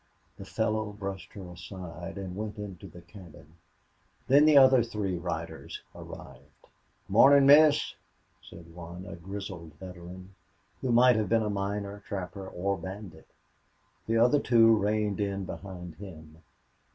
The fellow brushed her aside and went into the cabin. Then the other three riders arrived. "Mornin', miss," said one, a grizzled veteran, who might have been miner, trapper, or bandit. The other two reined in behind him.